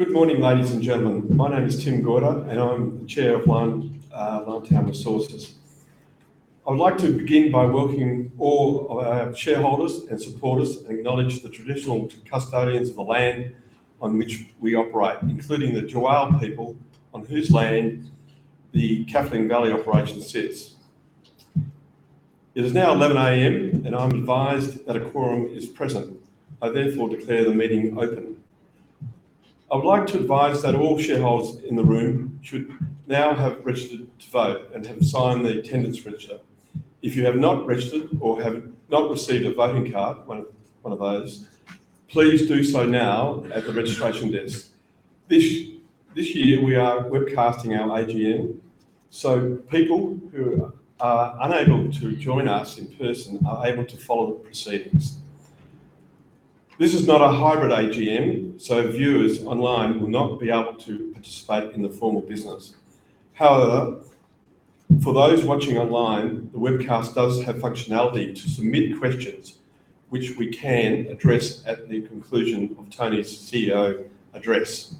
Good morning, ladies and gentlemen. My name is Tim Gorder, and I'm the Chair of Liontown Resources. I would like to begin by welcoming all our shareholders and supporters and acknowledge the traditional custodians of the land on which we operate, including the Tjiwarl people on whose land the Kathleen Valley operation sits. It is now 11:00 A.M., and I'm advised that a quorum is present. I therefore declare the meeting open. I would like to advise that all shareholders in the room should now have registered to vote and have signed the attendance register. If you have not registered or have not received a voting card, one of those, please do so now at the registration desk. This year, we are webcasting our AGM, so people who are unable to join us in person are able to follow the proceedings. This is not a hybrid AGM, so viewers online will not be able to participate in the formal business. However, for those watching online, the webcast does have functionality to submit questions, which we can address at the conclusion of Tony's CEO address.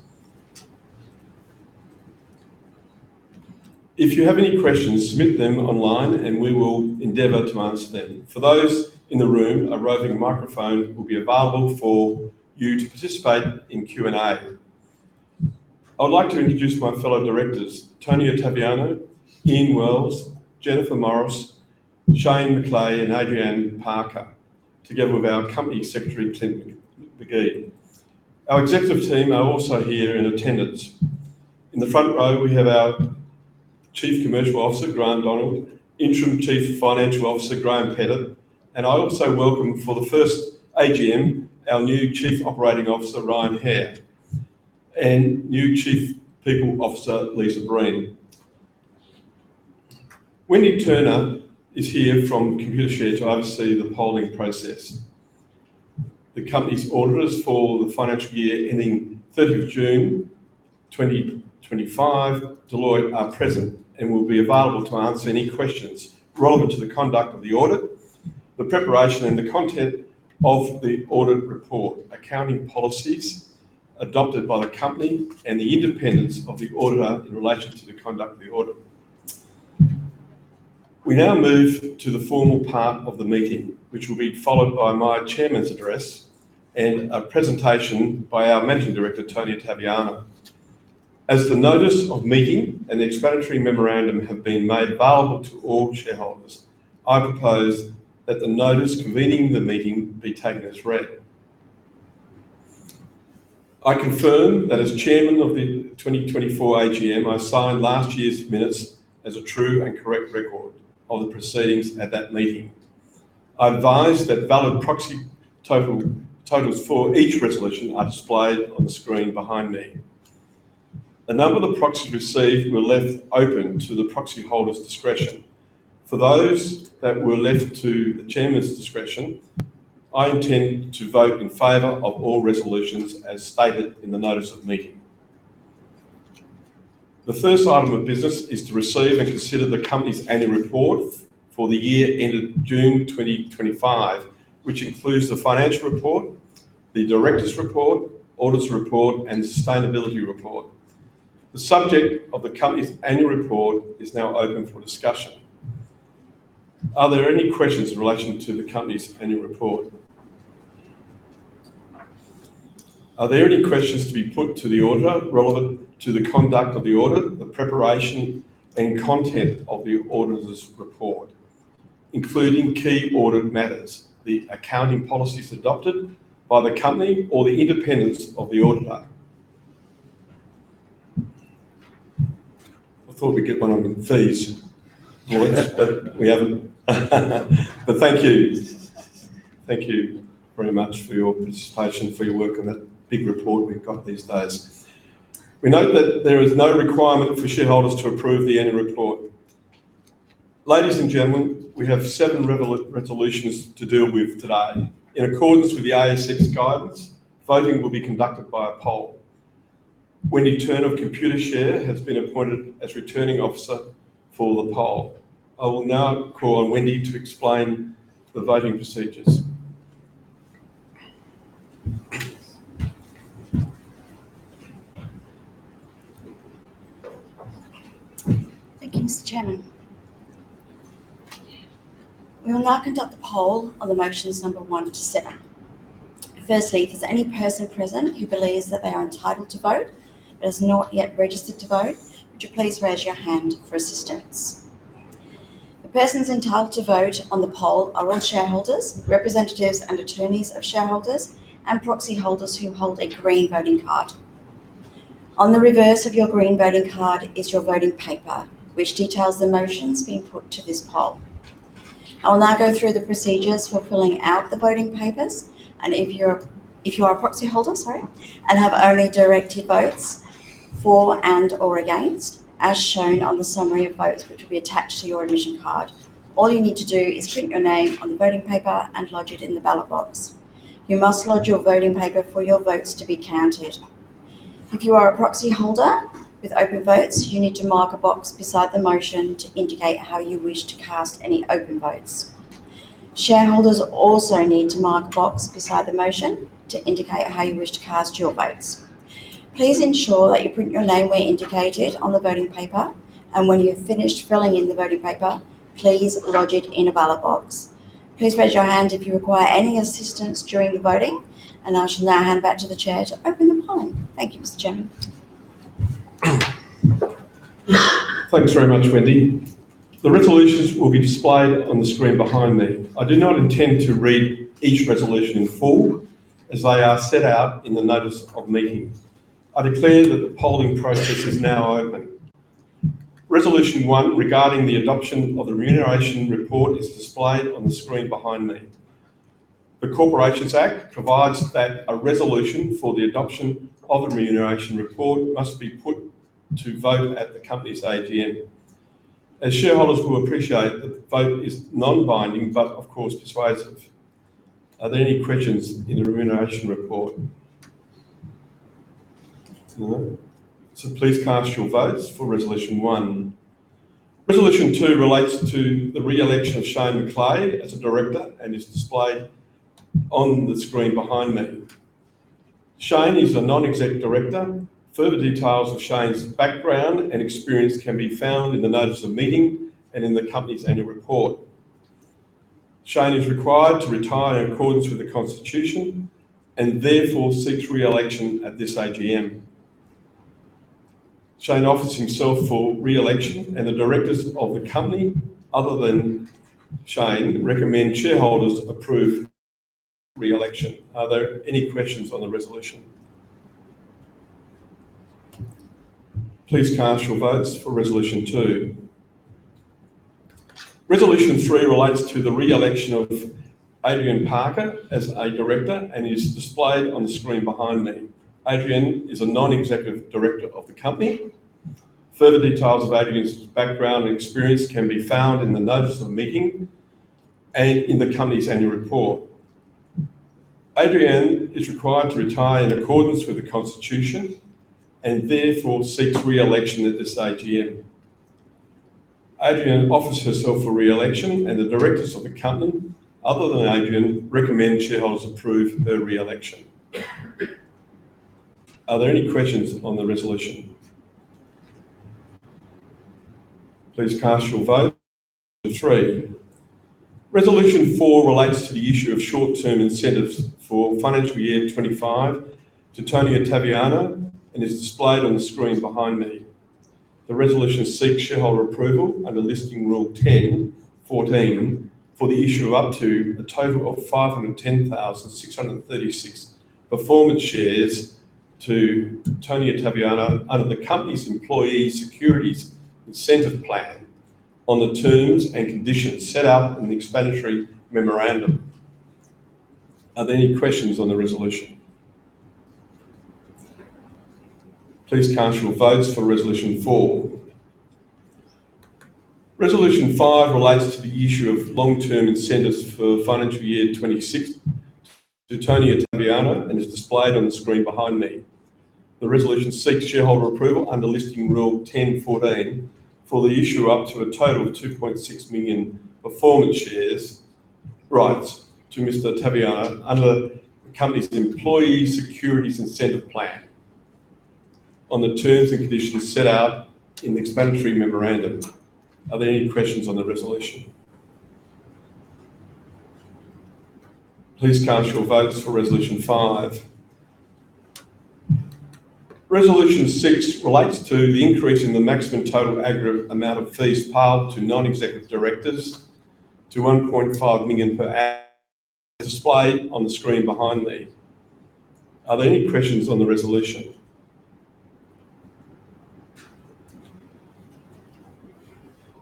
If you have any questions, submit them online, and we will endeavour to answer them. For those in the room, a roving microphone will be available for you to participate in Q&A. I would like to introduce my fellow directors, Tony Ottaviano, Ian Wells, Jennifer Morris, Shane McLeay, and Adrienne Parker, together with our Company Secretary, Clint McGee. Our executive team are also here in attendance. In the front row, we have our Chief Commercial Officer, Grant Donald, Interim Chief Financial Officer, Graeme Pettit, and I also welcome for the first AGM our new Chief Operating Officer, Ryan Hair, and new Chief People Officer, Lisa Breen. Wendy Turner is here from Computershare to oversee the polling process. The company's auditors for the financial year ending 30 June 2025, Deloitte, are present and will be available to answer any questions relevant to the conduct of the audit, the preparation and the content of the audit report, accounting policies adopted by the company, and the independence of the auditor in relation to the conduct of the audit. We now move to the formal part of the meeting, which will be followed by my chairman's address and a presentation by our Managing Director, Tony Ottaviano. As the notice of meeting and the explanatory memorandum have been made available to all shareholders, I propose that the notice convening the meeting be taken as read. I confirm that as Chairman of the 2024 AGM, I signed last year's minutes as a true and correct record of the proceedings at that meeting. I advise that valid proxy totals for each resolution are displayed on the screen behind me. A number of the proxies received were left open to the proxy holder's discretion. For those that were left to the chairman's discretion, I intend to vote in favor of all resolutions as stated in the notice of meeting. The first item of business is to receive and consider the company's annual report for the year ended June 2025, which includes the financial report, the director's report, auditor's report, and sustainability report. The subject of the company's annual report is now open for discussion. Are there any questions in relation to the company's annual report? Are there any questions to be put to the auditor relevant to the conduct of the audit, the preparation, and content of the auditor's report, including key audit matters, the accounting policies adopted by the company, or the independence of the auditor? I thought we'd get one on fees, but we haven't. Thank you. Thank you very much for your participation, for your work on that big report we've got these days. We note that there is no requirement for shareholders to approve the annual report. Ladies and gentlemen, we have seven resolutions to deal with today. In accordance with the ASX guidance, voting will be conducted by a poll. Wendy Turner of Computershare has been appointed as returning officer for the poll. I will now call on Wendy to explain the voting procedures. Thank you, Mr. Chairman. We will now conduct the poll of the motions number one to seven. Firstly, if there is any person present who believes that they are entitled to vote but has not yet registered to vote, would you please raise your hand for assistance? The persons entitled to vote on the poll are all shareholders, representatives and attorneys of shareholders, and proxy holders who hold a green voting card. On the reverse of your green voting card is your voting paper, which details the motions being put to this poll. I will now go through the procedures for filling out the voting papers, and if you are a proxy holder, sorry, and have only directed votes for and/or against, as shown on the summary of votes, which will be attached to your admission card, all you need to do is print your name on the voting paper and lodge it in the ballot box. You must lodge your voting paper for your votes to be counted. If you are a proxy holder with open votes, you need to mark a box beside the motion to indicate how you wish to cast any open votes. Shareholders also need to mark a box beside the motion to indicate how you wish to cast your votes. Please ensure that you print your name where indicated on the voting paper, and when you've finished filling in the voting paper, please lodge it in a ballot box. Please raise your hand if you require any assistance during the voting, and I shall now hand back to the Chair to open the poll. Thank you, Mr. Chairman. Thanks very much, Wendy. The resolutions will be displayed on the screen behind me. I do not intend to read each resolution in full as they are set out in the notice of meeting. I declare that the polling process is now open. Resolution One regarding the adoption of the remuneration report is displayed on the screen behind me. The Corporations Act provides that a resolution for the adoption of the remuneration report must be put to vote at the company's AGM. As shareholders will appreciate, the vote is non-binding but, of course, persuasive. Are there any questions in the remuneration report? Please cast your votes for Resolution One. Resolution Two relates to the re-election of Shane McLeay as a director and is displayed on the screen behind me. Shane is a non-exec director. Further details of Shane's background and experience can be found in the notice of meeting and in the company's annual report. Shane is required to retire in accordance with the Constitution and therefore seeks re-election at this AGM. Shane offers himself for re-election, and the directors of the company other than Shane recommend shareholders approve re-election. Are there any questions on the resolution? Please cast your votes for Resolution Two. Resolution Three relates to the re-election of Adrienne Parker as a director and is displayed on the screen behind me. Adrienne is a non-executive director of the company. Further details of Adrienne's background and experience can be found in the notice of meeting and in the company's annual report. Adrienne is required to retire in accordance with the Constitution and therefore seeks re-election at this AGM. Adrienne offers herself for re-election, and the directors of the company, other than Adrienne, recommend shareholders approve her re-election. Are there any questions on the resolution? Please cast your vote. Three. Resolution Four relates to the issue of short-term incentives for financial year 2025 to Tony Ottaviano and is displayed on the screen behind me. Resolution Six relates to the increase in the maximum total aggregate amount of fees payable to non-executive directors to 1.5 million per annum displayed on the screen behind me. Are there any questions on the resolution?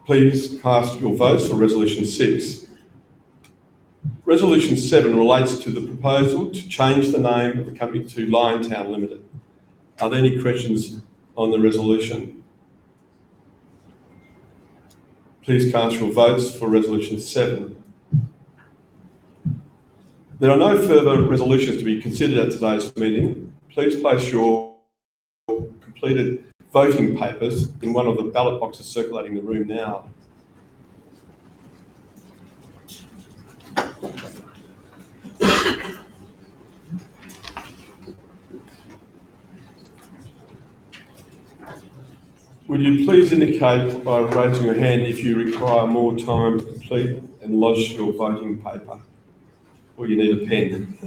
Please cast your votes for Resolution Six. Resolution Seven relates to the proposal to change the name of the company to Liontown Limited. Are there any questions on the resolution? Please cast your votes for Resolution Seven. There are no further resolutions to be considered at today's meeting. Please place your completed voting papers in one of the ballot boxes circulating the room now. Would you please indicate by raising your hand if you require more time to complete and lodge your voting paper, or you need a pen?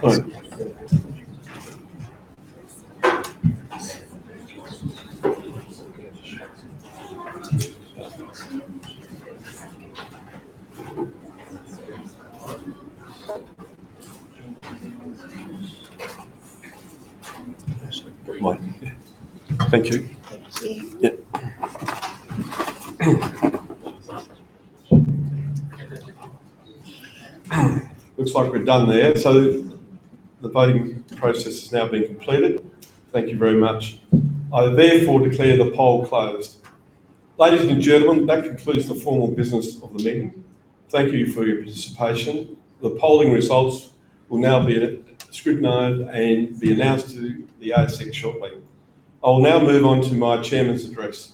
Thank you. Looks like we're done there. The voting process has now been completed. Thank you very much. I therefore declare the poll closed. Ladies and gentlemen, that concludes the formal business of the meeting. Thank you for your participation. The polling results will now be scrutinized and be announced to the ASX shortly. I will now move on to my chairman's address.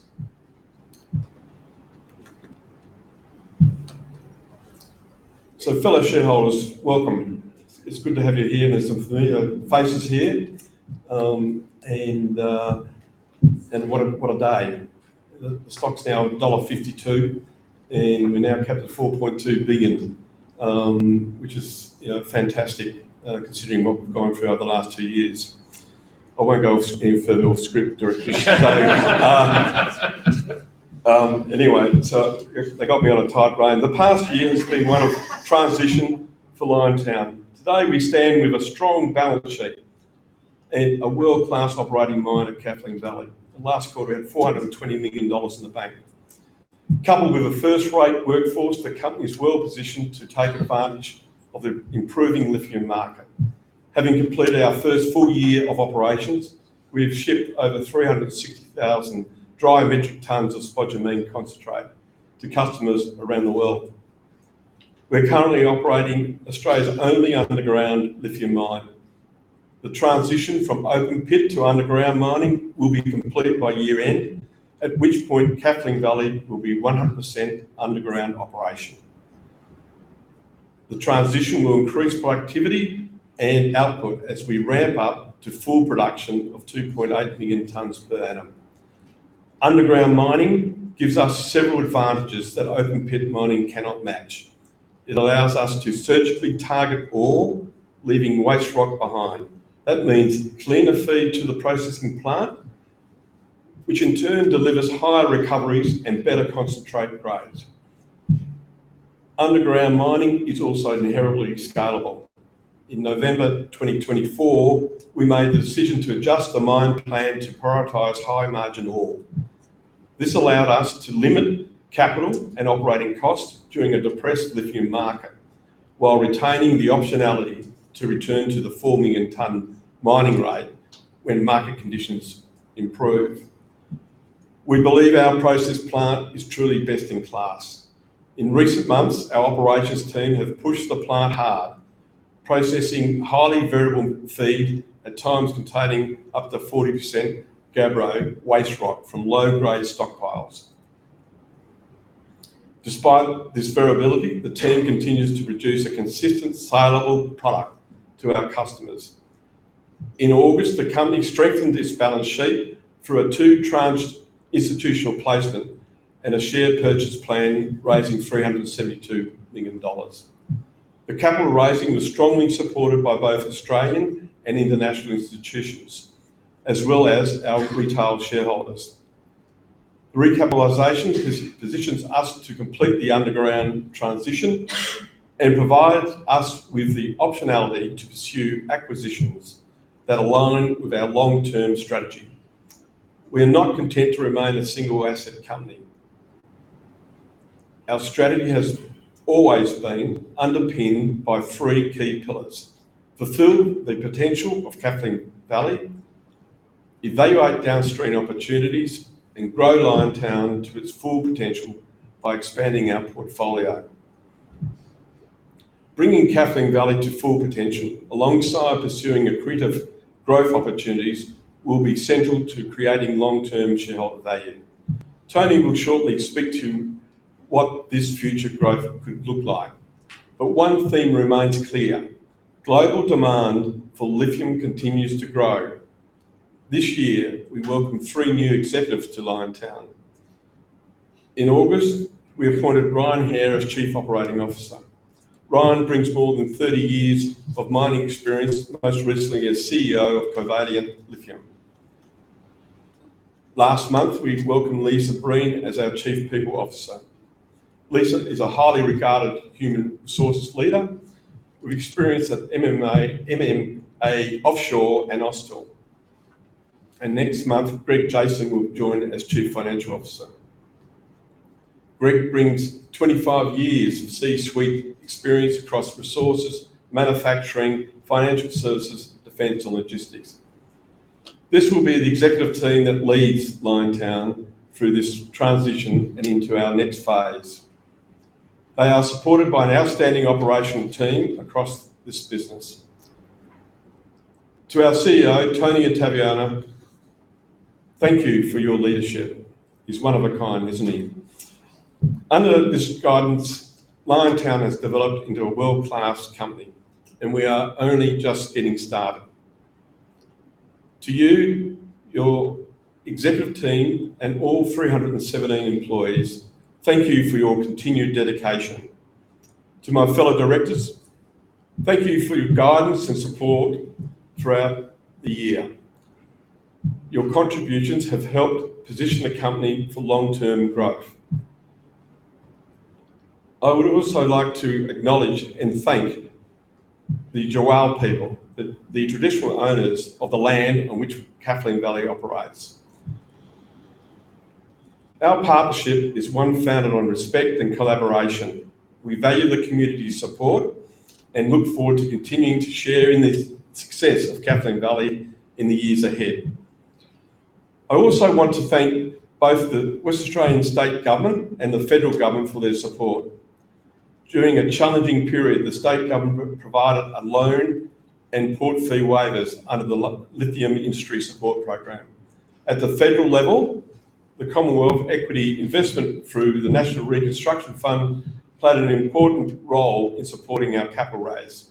Fellow shareholders, welcome. It's good to have you here, and there are some familiar faces here. What a day. The stock's now $1.52, and we're now capped at 4.2 billion, which is fantastic considering what we've gone through over the last two years. I won't go any further off script directly today. Anyway, they got me on a tight rail. The past year has been one of transition for Liontown. Today, we stand with a strong balance sheet and a world-class operating line at Kathleen Valley. The last quarter, we had 420 million dollars in the bank. Coupled with a first-rate workforce, the company is well positioned to take advantage of the improving lithium market. Having completed our first full year of operations, we have shipped over 360,000 dry metric tons of spodumene concentrate to customers around the world. We're currently operating Australia's only underground lithium mine. The transition from open pit to underground mining will be complete by year-end, at which point Kathleen Valley will be a 100% underground operation. The transition will increase productivity and output as we ramp up to full production of 2.8 million tons per annum. Underground mining gives us several advantages that open pit mining cannot match. It allows us to surgically target ore, leaving waste rock behind. That means cleaner feed to the processing plant, which in turn delivers higher recoveries and better concentrate grades. Underground mining is also inherently scalable. In November 2024, we made the decision to adjust the mine plan to prioritize high-margin ore. This allowed us to limit capital and operating costs during a depressed lithium market while retaining the optionality to return to the 4 million ton mining rate when market conditions improve. We believe our process plant is truly best in class. In recent months, our operations team have pushed the plant hard, processing highly variable feed at times containing up to 40% gabbero waste rock from low-grade stockpiles. Despite this variability, the team continues to produce a consistent saleable product to our customers. In August, the company strengthened its balance sheet through a two-tranched institutional placement and a share purchase plan raising 372 million dollars. The capital raising was strongly supported by both Australian and international institutions, as well as our retail shareholders. The recapitalization positions us to complete the underground transition and provides us with the optionality to pursue acquisitions that align with our long-term strategy. We are not content to remain a single-asset company. Our strategy has always been underpinned by three key pillars: fulfill the potential of Kathleen Valley, evaluate downstream opportunities, and grow Liontown to its full potential by expanding our portfolio. Bringing Kathleen Valley to full potential alongside pursuing accretive growth opportunities will be central to creating long-term shareholder value. Tony will shortly speak to what this future growth could look like. One theme remains clear. Global demand for lithium continues to grow. This year, we welcomed three new executives to Liontown. In August, we appointed Ryan Hair as Chief Operating Officer. Ryan brings more than 30 years of mining experience, most recently as CEO of Covariant Lithium. Last month, we welcomed Lisa Breen as our Chief People Officer. Lisa is a highly regarded human resources leader. We have experience at MMA Offshore and Oscil. Next month, Greg Jason will join as Chief Financial Officer. Greg brings 25 years of C-suite experience across resources, manufacturing, financial services, defense, and logistics. This will be the executive team that leads Liontown through this transition and into our next phase. They are supported by an outstanding operational team across this business. To our CEO, Tony Ottaviano, thank you for your leadership. He is one of a kind, isn't he? Under this guidance, Liontown has developed into a world-class company, and we are only just getting started. To you, your executive team, and all 317 employees, thank you for your continued dedication. To my fellow directors, thank you for your guidance and support throughout the year. Your contributions have helped position the company for long-term growth. I would also like to acknowledge and thank the Tjiwarl people, the traditional owners of the land on which Kathleen Valley operates. Our partnership is one founded on respect and collaboration. We value the community's support and look forward to continuing to share in the success of Kathleen Valley in the years ahead. I also want to thank both the Western Australian State Government and the Federal Government for their support. During a challenging period, the State Government provided a loan and port fee waivers under the Lithium Industry Support Program. At the federal level, the Commonwealth Equity Investment through the National Reconstruction Fund played an important role in supporting our capital raise.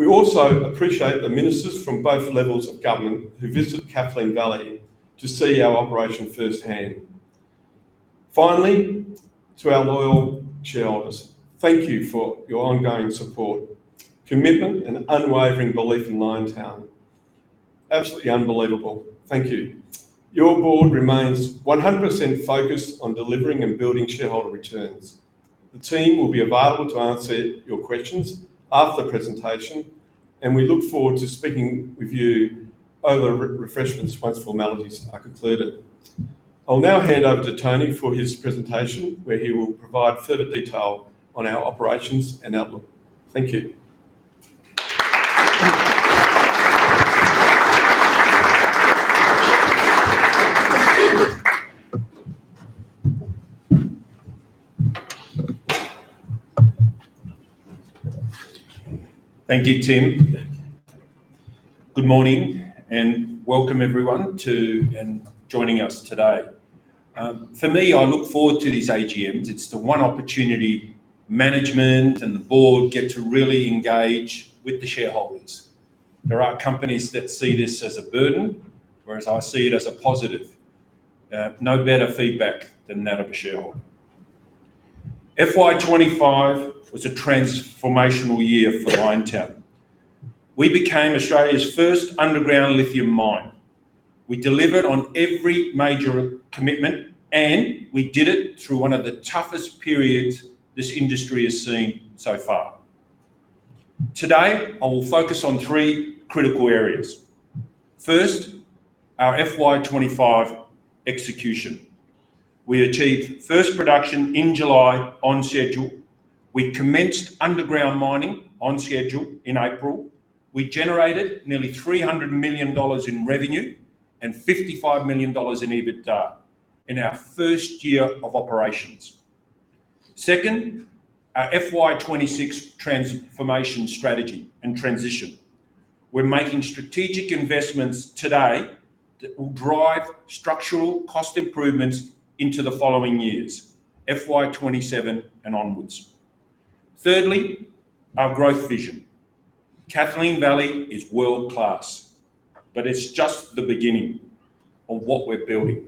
We also appreciate the ministers from both levels of government who visited Kathleen Valley to see our operation firsthand. Finally, to our loyal shareholders, thank you for your ongoing support, commitment, and unwavering belief in Liontown. Absolutely unbelievable. Thank you. Your board remains 100% focused on delivering and building shareholder returns. The team will be available to answer your questions after the presentation, and we look forward to speaking with you over refreshments once formalities are concluded. I'll now hand over to Tony for his presentation, where he will provide further detail on our operations and outlook. Thank you. Thank you, Tim. Good morning and welcome everyone to and joining us today. For me, I look forward to these AGMs. It's the one opportunity management and the board get to really engage with the shareholders. There are companies that see this as a burden, whereas I see it as a positive. No better feedback than that of a shareholder. FY 2025 was a transformational year for Liontown. We became Australia's first underground lithium mine. We delivered on every major commitment, and we did it through one of the toughest periods this industry has seen so far. Today, I will focus on three critical areas. First, our FY 2025 execution. We achieved first production in July on schedule. We commenced underground mining on schedule in April. We generated nearly 300 million dollars in revenue and 55 million dollars in EBITDA in our first year of operations. Second, our FY 2026 transformation strategy and transition. We're making strategic investments today that will drive structural cost improvements into the following years, FY 2027 and onwards. Thirdly, our growth vision. Kathleen Valley is world-class, but it's just the beginning of what we're building.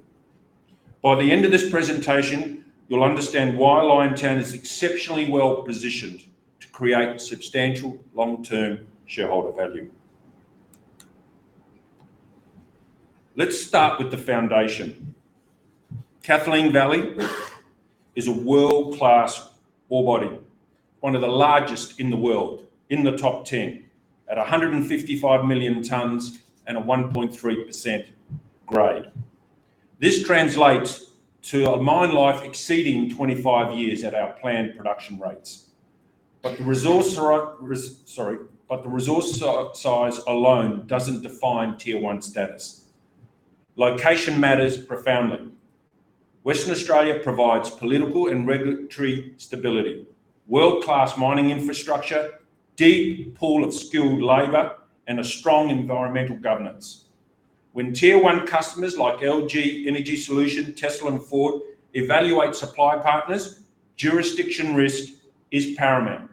By the end of this presentation, you'll understand why Liontown is exceptionally well positioned to create substantial long-term shareholder value. Let's start with the foundation. Kathleen Valley is a world-class ore body, one of the largest in the world, in the top 10, at 155 million tons and a 1.3% grade. This translates to a mine life exceeding 25 years at our planned production rates. The resource size alone doesn't define tier one status. Location matters profoundly. Western Australia provides political and regulatory stability, world-class mining infrastructure, a deep pool of skilled labor, and strong environmental governance. When tier one customers like LG Energy Solution, Tesla, and Ford evaluate supply partners, jurisdiction risk is paramount.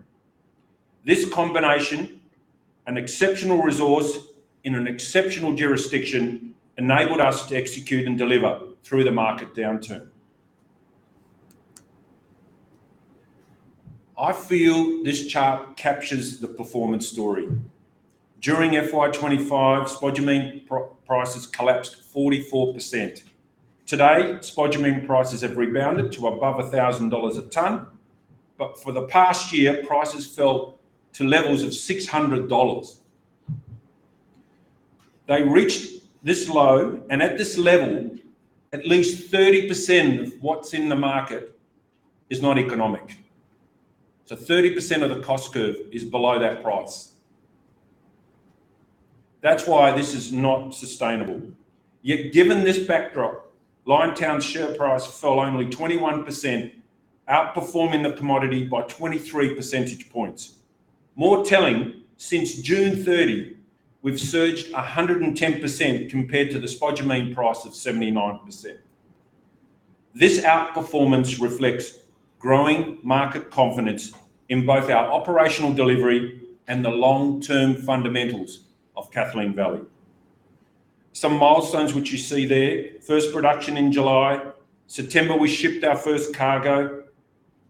This combination, an exceptional resource in an exceptional jurisdiction, enabled us to execute and deliver through the market downturn. I feel this chart captures the performance story. During FY 2025, spodumene prices collapsed 44%. Today, spodumene prices have rebounded to above $1,000 a ton, but for the past year, prices fell to levels of $600. They reached this low, and at this level, at least 30% of what's in the market is not economic. So 30% of the cost curve is below that price. That's why this is not sustainable. Yet given this backdrop, Liontown's share price fell only 21%, outperforming the commodity by 23 percentage points. More telling, since June 30, we've surged 110% compared to the spodumene price of 79%. This outperformance reflects growing market confidence in both our operational delivery and the long-term fundamentals of Kathleen Valley. Some milestones which you see there: first production in July. September, we shipped our first cargo.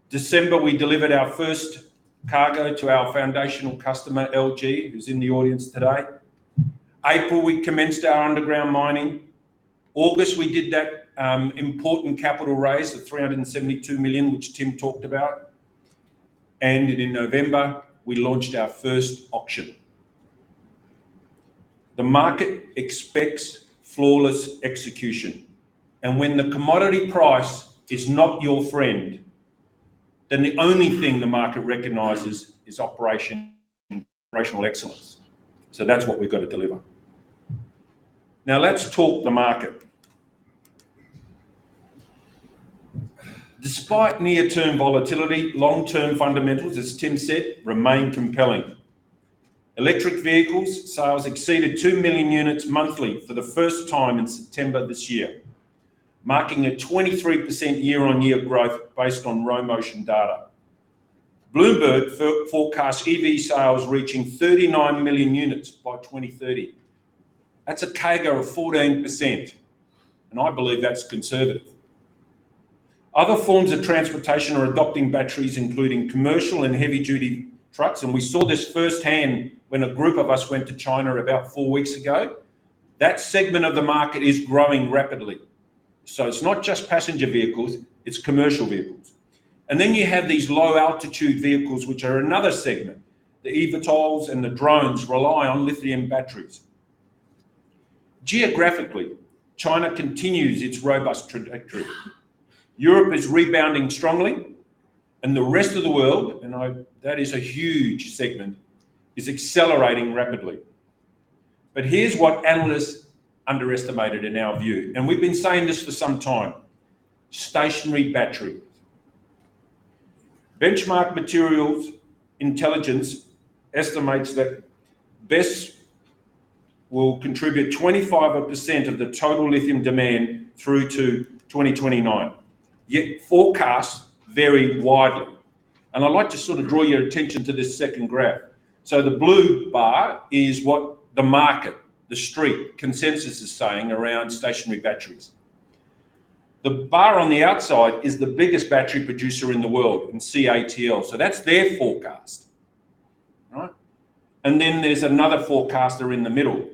December, we delivered our first cargo to our foundational customer, LG, who's in the audience today. April, we commenced our underground mining. August, we did that important capital raise of 372 million, which Tim talked about. In November, we launched our first auction. The market expects flawless execution. When the commodity price is not your friend, the only thing the market recognizes is operational excellence. That is what we've got to deliver. Now let's talk the market. Despite near-term volatility, long-term fundamentals, as Tim said, remain compelling. Electric vehicle sales exceeded 2 million units monthly for the first time in September this year, marking a 23% year-on-year growth based on Row Motion data. Bloomberg forecasts EV sales reaching 39 million units by 2030. That is a CAGR of 14%. I believe that's conservative. Other forms of transportation are adopting batteries, including commercial and heavy-duty trucks. We saw this firsthand when a group of us went to China about four weeks ago. That segment of the market is growing rapidly. It is not just passenger vehicles; it is commercial vehicles. You have these low-altitude vehicles, which are another segment. The eVTOLs and the drones rely on lithium batteries. Geographically, China continues its robust trajectory. Europe is rebounding strongly, and the rest of the world, and that is a huge segment, is accelerating rapidly. Here is what analysts underestimated in our view, and we have been saying this for some time: stationary battery. Benchmark Materials Intelligence estimates that BESS will contribute 25% of the total lithium demand through to 2029. Yet forecasts vary widely. I would like to draw your attention to this second graph. The blue bar is what the market, the street consensus, is saying around stationary batteries. The bar on the outside is the biggest battery producer in the world, CATL. That is their forecast, all right? There is another forecaster in the middle.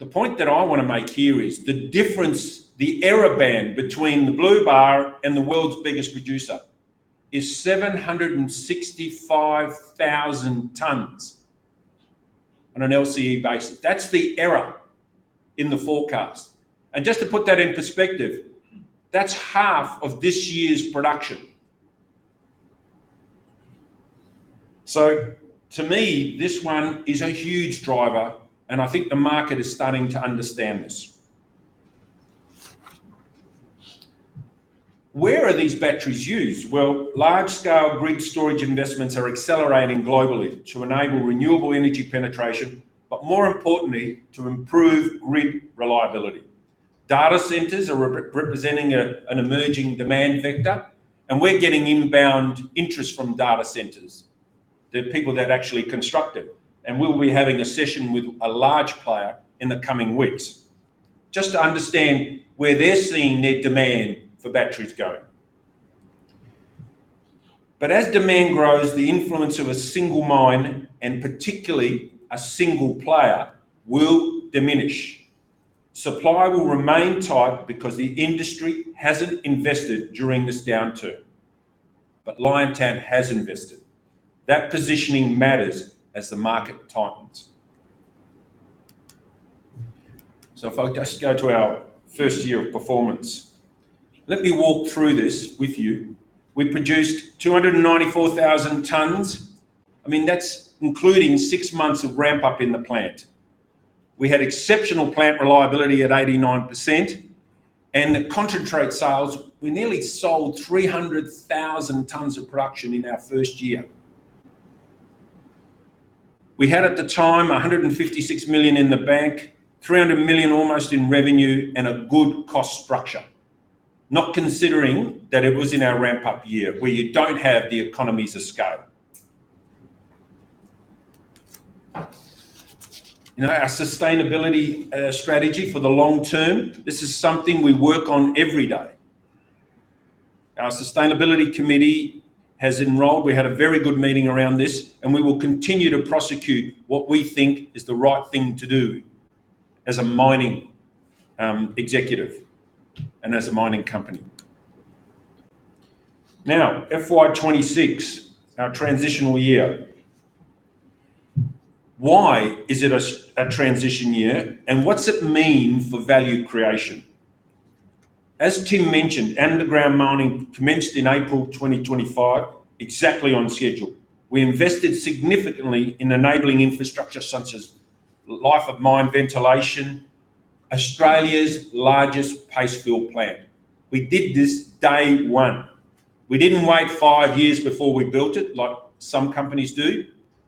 The point that I want to make here is the difference, the error band between the blue bar and the world's biggest producer is 765,000 tons on an LCE basis. That is the error in the forecast. Just to put that in perspective, that is half of this year's production. To me, this one is a huge driver, and I think the market is starting to understand this. Where are these batteries used? Large-scale grid storage investments are accelerating globally to enable renewable energy penetration, but more importantly, to improve grid reliability. Data centers are representing an emerging demand vector, and we are getting inbound interest from data centers, the people that actually construct it. We will be having a session with a large player in the coming weeks just to understand where they are seeing their demand for batteries going. As demand grows, the influence of a single mine, and particularly a single player, will diminish. Supply will remain tight because the industry has not invested during this downturn. Liontown has invested. That positioning matters as the market tightens. If I just go to our first year of performance, let me walk through this with you. We produced 294,000 tons. I mean, that is including six months of ramp-up in the plant. We had exceptional plant reliability at 89%. The concentrate sales, we nearly sold 300,000 tons of production in our first year. We had, at the time, 156 million in the bank, almost 300 million in revenue, and a good cost structure, not considering that it was in our ramp-up year where you do not have the economies of scale. Our sustainability strategy for the long term, this is something we work on every day. Our sustainability committee has enrolled. We had a very good meeting around this, and we will continue to prosecute what we think is the right thing to do as a mining executive and as a mining company. Now, FY 2026, our transitional year. Why is it a transition year? What does it mean for value creation? As Tim mentioned, underground mining commenced in April 2025, exactly on schedule. We invested significantly in enabling infrastructure such as life-of-mine ventilation, Australia's largest pastefill plant. We did this day one. We didn't wait five years before we built it, like some companies do.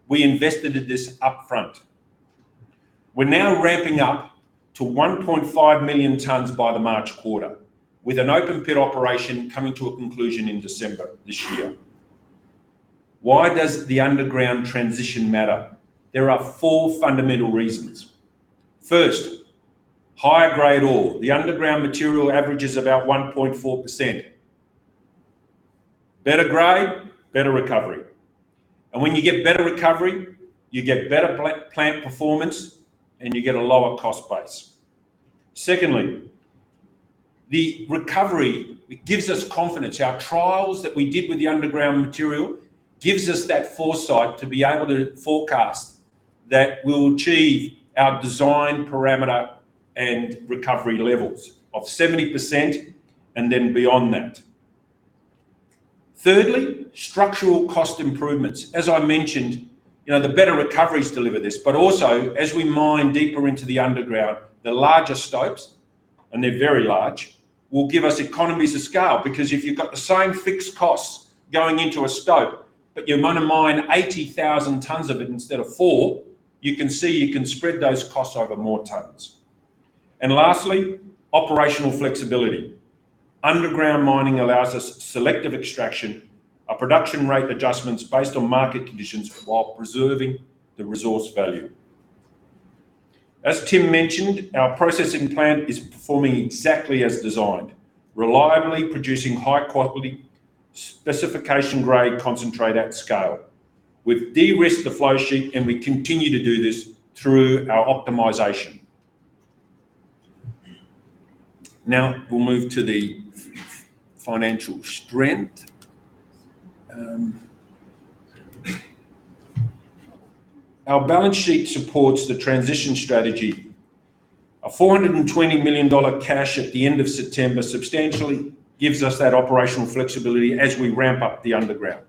We invested in this upfront. We're now ramping up to 1.5 million tons by the March quarter, with an open pit operation coming to a conclusion in December this year. Why does the underground transition matter? There are four fundamental reasons. First, higher grade ore. The underground material averages about 1.4%. Better grade, better recovery. When you get better recovery, you get better plant performance, and you get a lower cost base. Secondly, the recovery gives us confidence. Our trials that we did with the underground material gives us that foresight to be able to forecast that we'll achieve our design parameter and recovery levels of 70% and then beyond that. Thirdly, structural cost improvements. As I mentioned, the better recoveries deliver this, but also, as we mine deeper into the underground, the larger stopes, and they're very large, will give us economies of scale because if you've got the same fixed costs going into a stope, but you're going to mine 80,000 tons of it instead of four, you can see you can spread those costs over more tons. Lastly, operational flexibility. Underground mining allows us selective extraction, production rate adjustments based on market conditions while preserving the resource value. As Tim mentioned, our processing plant is performing exactly as designed, reliably producing high-quality specification-grade concentrate at scale. We've de-risked the flowsheet, and we continue to do this through our optimization. Now, we'll move to the financial strength. Our balance sheet supports the transition strategy. 420 million dollar cash at the end of September substantially gives us that operational flexibility as we ramp up the underground.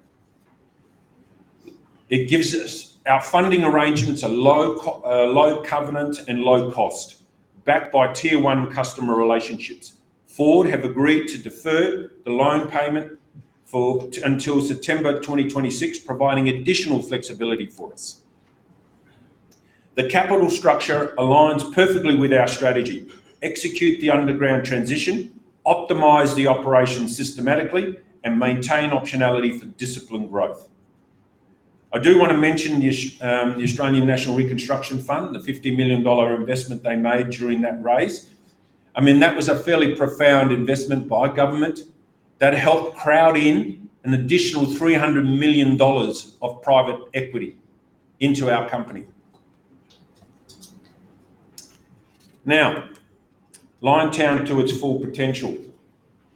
It gives us our funding arrangements a low covenant and low cost, backed by tier one customer relationships. Ford have agreed to defer the loan payment until September 2026, providing additional flexibility for us. The capital structure aligns perfectly with our strategy: execute the underground transition, optimize the operation systematically, and maintain optionality for disciplined growth. I do want to mention the Australian National Reconstruction Fund, the 50 million dollar investment they made during that raise. I mean, that was a fairly profound investment by government that helped crowd in an additional 300 million dollars of private equity into our company. Now, Liontown to its full potential.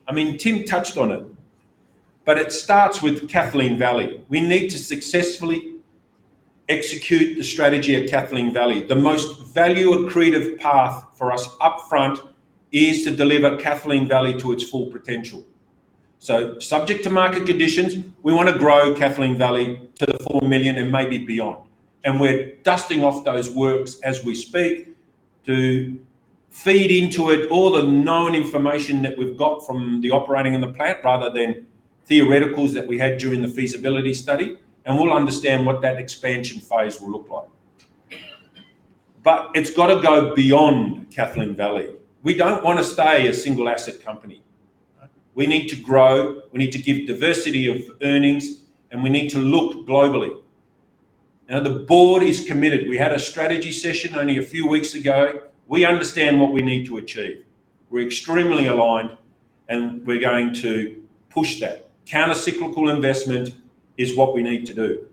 I mean, Tim touched on it, but it starts with Kathleen Valley. We need to successfully execute the strategy of Kathleen Valley. The most value-accretive path for us upfront is to deliver Kathleen Valley to its full potential. Subject to market conditions, we want to grow Kathleen Valley to the full million and maybe beyond. We are dusting off those works as we speak to feed into it all the known information that we have got from the operating and the plant rather than theoreticals that we had during the feasibility study. We will understand what that expansion phase will look like. It has to go beyond Kathleen Valley. We do not want to stay a single-asset company. We need to grow. We need to give diversity of earnings, and we need to look globally. The board is committed. We had a strategy session only a few weeks ago. We understand what we need to achieve. We are extremely aligned, and we are going to push that. Countercyclical investment is what we need to do.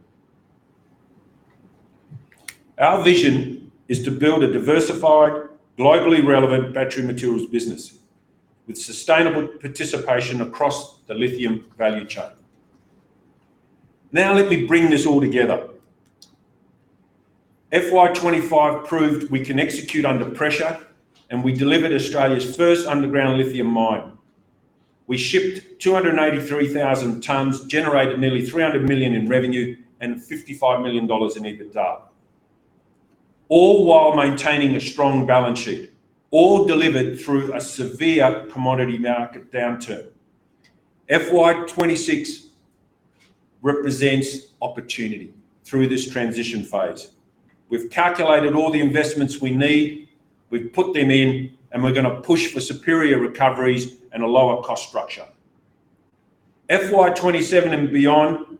Our vision is to build a diversified, globally relevant battery materials business with sustainable participation across the lithium value chain. Now, let me bring this all together. FY 2025 proved we can execute under pressure, and we delivered Australia's first underground lithium mine. We shipped 283,000 tons, generated nearly 300 million in revenue, and 55 million dollars in EBITDA, all while maintaining a strong balance sheet, all delivered through a severe commodity market downturn. FY 2026 represents opportunity through this transition phase. We've calculated all the investments we need. We've put them in, and we're going to push for superior recoveries and a lower cost structure. FY 2027 and beyond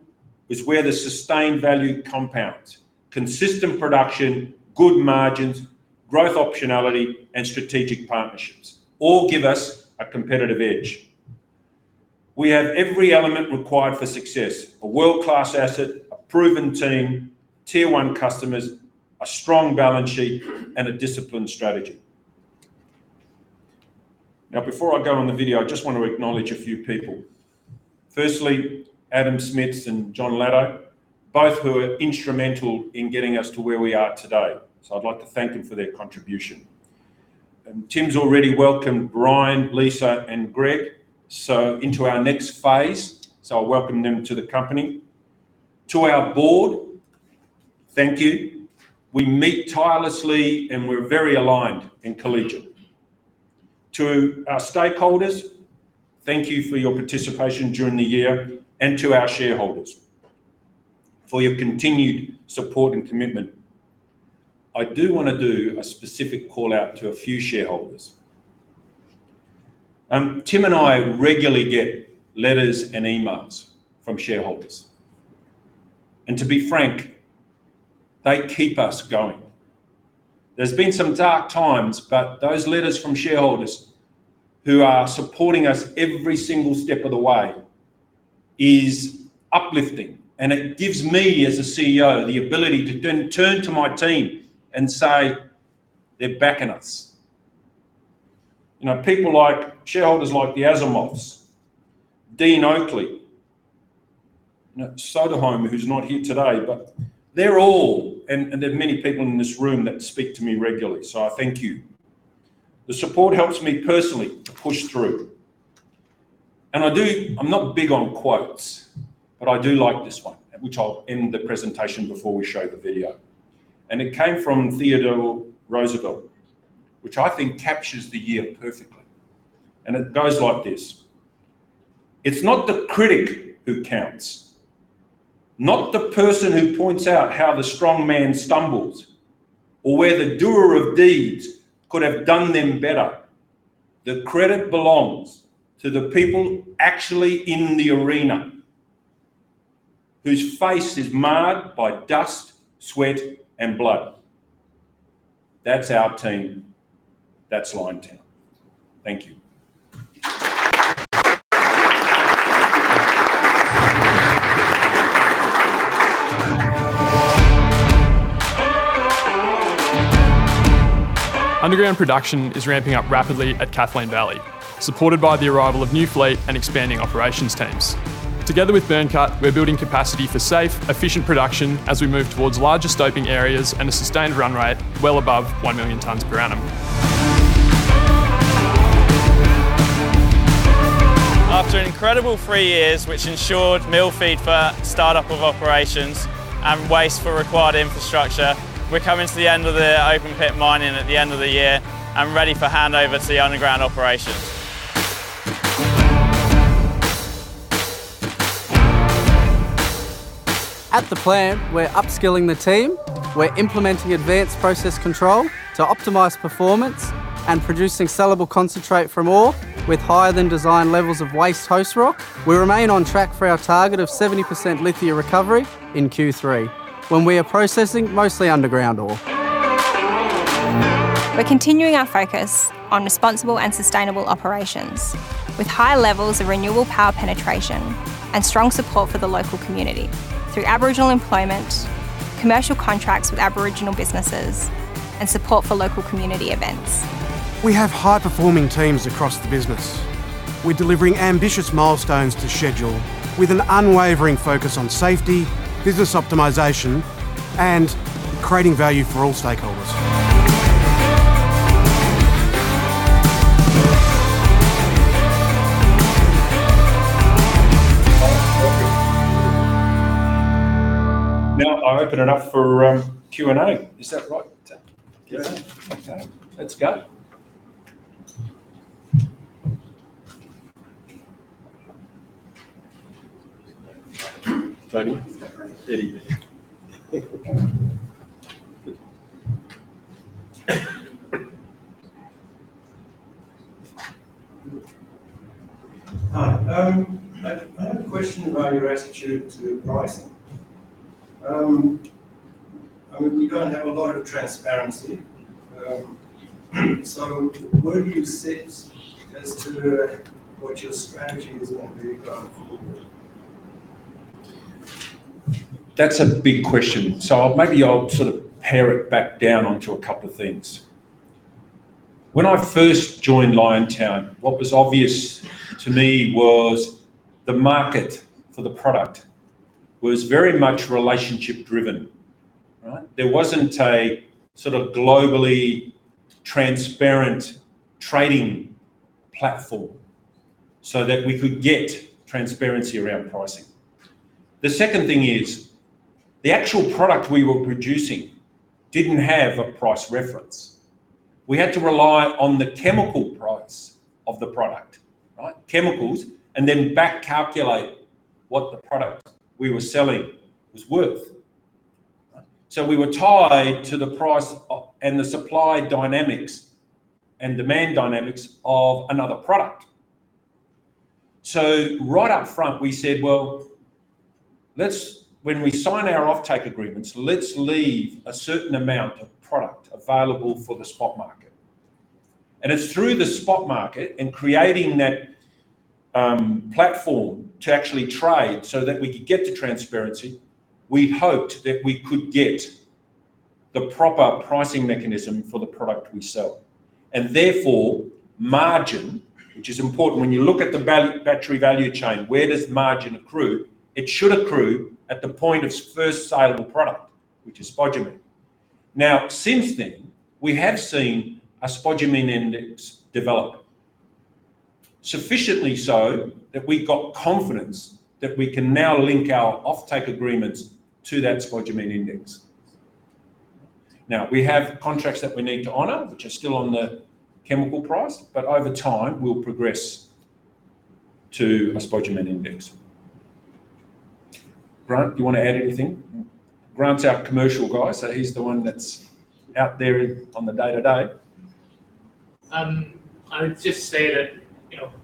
is where the sustained value compounds, consistent production, good margins, growth optionality, and strategic partnerships all give us a competitive edge. We have every element required for success: a world-class asset, a proven team, tier one customers, a strong balance sheet, and a disciplined strategy. Now, before I go on the video, I just want to acknowledge a few people. Firstly, Adam Smits and Jon Latto, both who are instrumental in getting us to where we are today. I would like to thank them for their contribution. Tim has already welcomed Ryan, Lisa, and Greg, so into our next phase. I welcome them to the company. To our board, thank you. We meet tirelessly, and we are very aligned and collegiate. To our stakeholders, thank you for your participation during the year, and to our shareholders for your continued support and commitment. I do want to do a specific call-out to a few shareholders. Tim and I regularly get letters and emails from shareholders. To be frank, they keep us going. There's been some dark times, but those letters from shareholders who are supporting us every single step of the way is uplifting. It gives me, as a CEO, the ability to turn to my team and say, "They're backing us." People like shareholders like the Azimovs, Dean Oakley, Sodahome, who's not here today, but they're all, and there are many people in this room that speak to me regularly. I thank you. The support helps me personally to push through. I'm not big on quotes, but I do like this one, which I'll end the presentation before we show the video. It came from Theodore Roosevelt, which I think captures the year perfectly. It’s not the critic who counts, not the person who points out how the strong man stumbles, or where the doer of deeds could have done them better. The credit belongs to the people actually in the arena whose face is marred by dust, sweat, and blood. That’s our team. That’s Liontown. Thank you." Underground production is ramping up rapidly at Kathleen Valley, supported by the arrival of new fleet and expanding operations teams. Together with Burncut, we’re building capacity for safe, efficient production as we move towards larger stoping areas and a sustained run rate well above 1 million tons per annum. After an incredible three years, which ensured mill feed for startup of operations and waste for required infrastructure, we’re coming to the end of the open pit mining at the end of the year and ready for handover to the underground operations. At the plant, we're upskilling the team. We're implementing advanced process control to optimize performance and producing sellable concentrate from ore with higher-than-design levels of waste host rock. We remain on track for our target of 70% lithium recovery in Q3, when we are processing mostly underground ore. We're continuing our focus on responsible and sustainable operations with high levels of renewable power penetration and strong support for the local community through Aboriginal employment, commercial contracts with Aboriginal businesses, and support for local community events. We have high-performing teams across the business. We're delivering ambitious milestones to schedule with an unwavering focus on safety, business optimization, and creating value for all stakeholders. Now, I'll open it up for Q&A. Is that right? Yes. Okay. Let's go. Tony. Eddie. Hi. I have a question about your attitude to price. I mean, we don't have a lot of transparency. Where do you sit as to what your strategy is going to be going forward? That's a big question. Maybe I'll sort of pare it back down onto a couple of things. When I first joined Liontown, what was obvious to me was the market for the product was very much relationship-driven, right? There wasn't a sort of globally transparent trading platform so that we could get transparency around pricing. The second thing is the actual product we were producing didn't have a price reference. We had to rely on the chemical price of the product, right? Chemicals, and then back-calculate what the product we were selling was worth. We were tied to the price and the supply dynamics and demand dynamics of another product. Right upfront, we said, "Well, when we sign our offtake agreements, let's leave a certain amount of product available for the spot market." It is through the spot market and creating that platform to actually trade so that we could get to transparency, we hoped that we could get the proper pricing mechanism for the product we sell. Therefore, margin, which is important when you look at the battery value chain, where does margin accrue? It should accrue at the point of first sale of a product, which is spodumene. Now, since then, we have seen a spodumene index develop, sufficiently so that we've got confidence that we can now link our offtake agreements to that spodumene index. Now, we have contracts that we need to honor, which are still on the chemical price, but over time, we'll progress to a spodumene index. Grant, do you want to add anything? Grant's our commercial guy, so he's the one that's out there on the day-to-day. I would just say that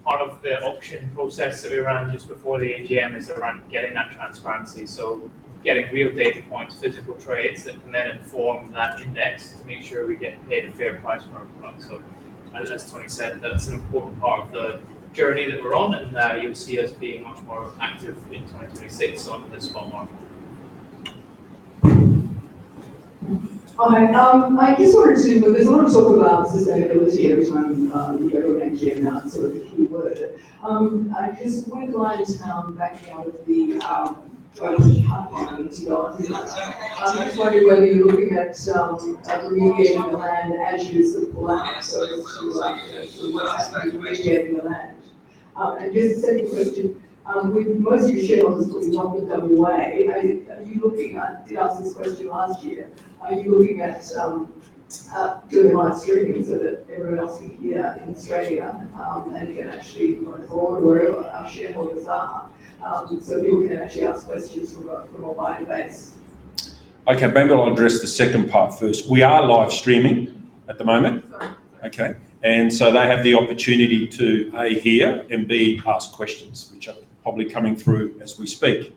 part of the auction process that we ran just before the AGM is around getting that transparency, so getting real data points, physical trades that can then inform that index to make sure we get paid a fair price for our product. As Tony said, that's an important part of the journey that we're on, and you'll see us being much more active in 2026 on the spot market. Hi. I guess I'll resume because I want to talk about sustainability every time we go to an AGM, that's sort of the key word. I just went to Liontown backing out of the driver's platform in New Zealand. I'm just wondering whether you're looking at remediating the land as you use the land. To what aspect of remediating the land? And just a second question. With most of your shareholders, we've not given them away. Are you looking at—did I ask this question last year? Are you looking at doing live streaming so that everyone else can hear in Australia and can actually on the board where our shareholders are so people can actually ask questions from a wider base? Okay. Maybe I'll address the second part first. We are live streaming at the moment. Okay. And so they have the opportunity to, A, hear and, B, ask questions, which are probably coming through as we speak.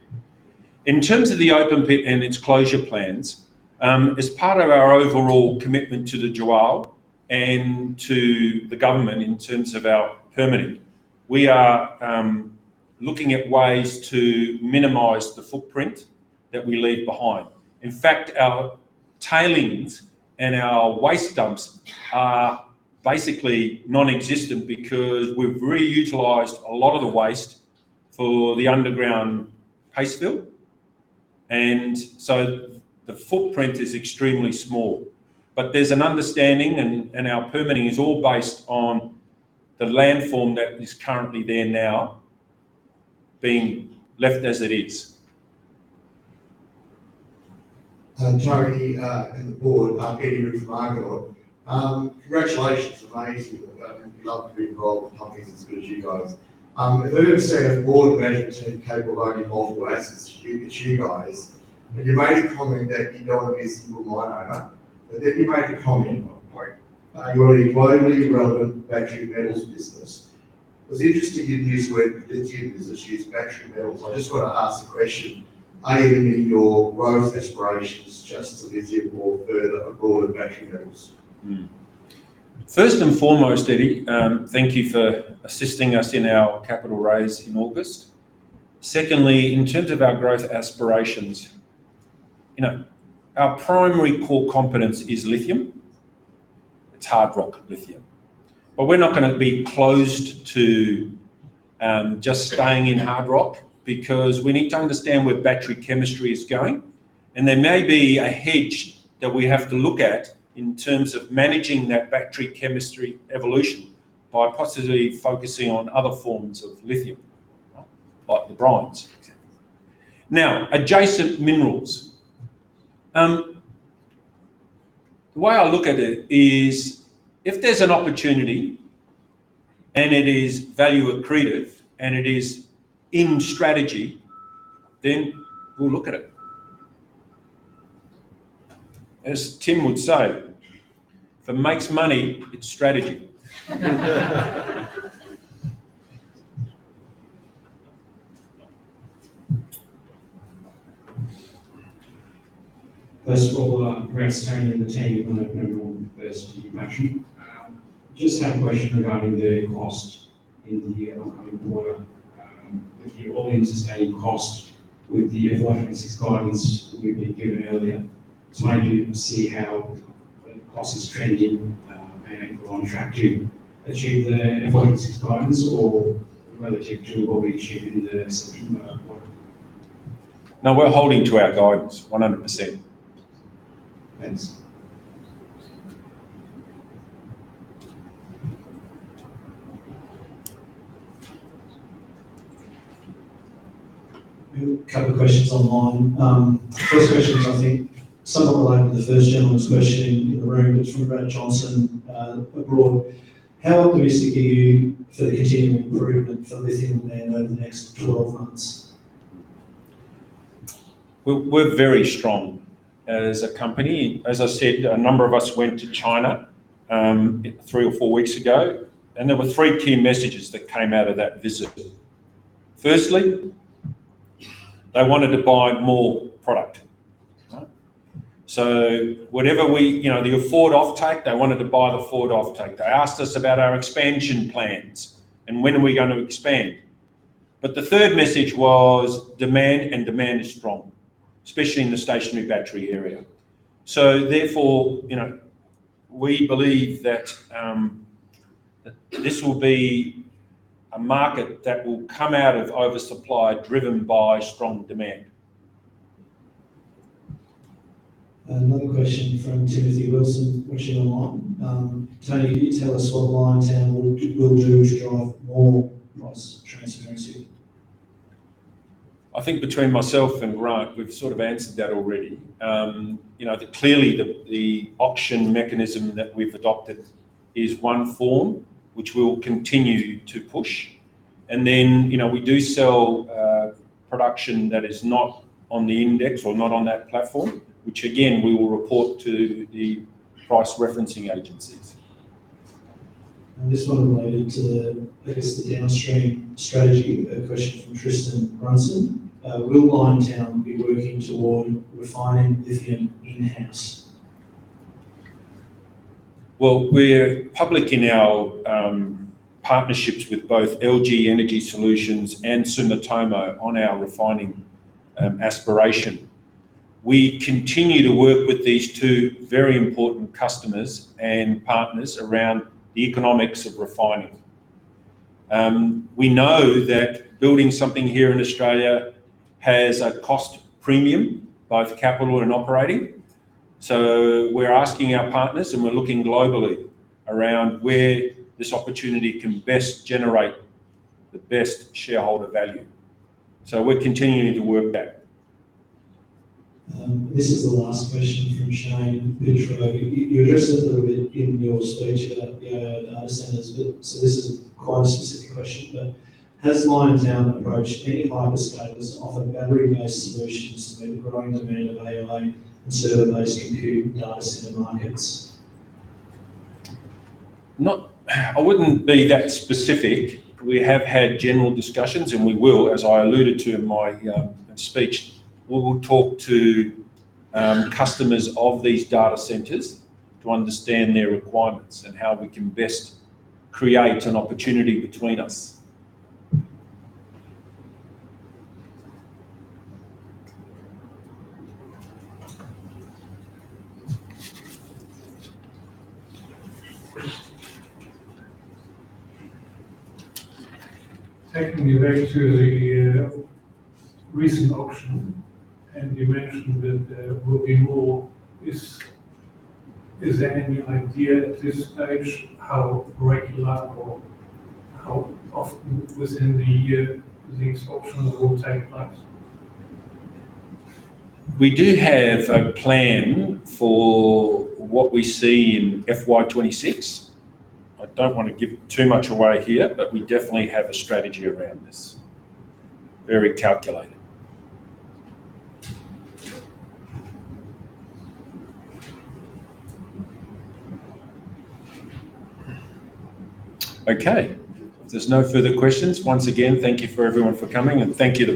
In terms of the open pit and its closure plans, as part of our overall commitment to the João and to the government in terms of our permitting, we are looking at ways to minimize the footprint that we leave behind. In fact, our tailings and our waste dumps are basically nonexistent because we've reutilized a lot of the waste for the underground pastefill. The footprint is extremely small. There is an understanding, and our permitting is all based on the landform that is currently there now being left as it is. Tony and the board, Eddie and Margot, congratulations on the AGM. We'd love to be involved in helping as good as you guys. I've heard of saying a board of management team capable of owning multiple assets. It's you guys. You made a comment that you don't want to be a single mine owner, but then you made a comment on a point. You're in a globally relevant battery metals business. It was interesting you used the word litigious as you used battery metals. I just want to ask the question, are you living your growth aspirations just to live your board of battery metals? First and foremost, Eddie, thank you for assisting us in our capital raise in August. Secondly, in terms of our growth aspirations, our primary core competence is lithium. It's hard rock lithium. We're not going to be closed to just staying in hard rock because we need to understand where battery chemistry is going. There may be a hedge that we have to look at in terms of managing that battery chemistry evolution by possibly focusing on other forms of lithium, like the brines. Now, adjacent minerals. The way I look at it is if there's an opportunity and it is value accretive and it is in strategy, then we'll look at it. As Tim would say, if it makes money, it's strategy. First of all, perhaps Tony and the team, I'll open the door first to you, Patrick. Just had a question regarding the cost in the upcoming quarter. With the all-new sustainability cost, with the FY 2026 guidance we've been given earlier, it's made you see how the cost is trending and if we're on track to achieve the FY 2026 guidance or relative to what we achieve in the September quarter. No, we're holding to our guidance 100%. Thanks. A couple of questions online. First question is, I think someone will open the first gentleman's question in the room, which was from Brent Johnson abroad. How optimistic are you for the continuing improvement for lithium and over the next 12 months? We're very strong as a company. As I said, a number of us went to China three or four weeks ago, and there were three key messages that came out of that visit. Firstly, they wanted to buy more product. So whatever we could afford offtake, they wanted to buy the afford offtake. They asked us about our expansion plans and when are we going to expand. The third message was demand and demand is strong, especially in the stationary battery area. Therefore, we believe that this will be a market that will come out of oversupply driven by strong demand. Another question from Timothy Wilson, watching online. Tony, can you tell us what Liontown will do to drive more price transparency? I think between myself and Grant, we've sort of answered that already. Clearly, the auction mechanism that we've adopted is one form, which we'll continue to push. We do sell production that is not on the index or not on that platform, which again, we will report to the price referencing agencies. This one related to, I guess, the downstream strategy, a question from Tristan Brunson. Will Liontown be working toward refining lithium in-house? We are public in our partnerships with both LG Energy Solution and Sumitomo on our refining aspiration. We continue to work with these two very important customers and partners around the economics of refining. We know that building something here in Australia has a cost premium, both capital and operating. We are asking our partners, and we are looking globally around where this opportunity can best generate the best shareholder value. We are continuing to work that. This is the last question from Shane Pitrow. You addressed it a little bit in your speech at the AIO data centers, but this is quite a specific question. Has Liontown approached any hyperscalers to offer battery-based solutions with growing demand of AI and server-based compute data center markets? I would not be that specific. We have had general discussions, and as I alluded to in my speech, we will talk to customers of these data centers to understand their requirements and how we can best create an opportunity between us. Taking you back to the recent auction, you mentioned that there will be more. Is there any idea at this stage how regular or how often within the year these auctions will take place? We do have a plan for what we see in FY 2026. I do not want to give too much away here, but we definitely have a strategy around this. Very calculated. Okay. If there's no further questions, once again, thank you for everyone for coming, and thank you.